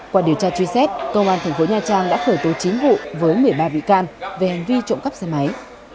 qua điều tra truy xét công an thành phố nha trang đã khởi tố chính vụ với một mươi ba vị can về hành vi trộm góc xe máy